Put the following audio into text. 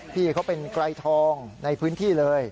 พี่เขาเป็นไกรทองในพื้นที่เลย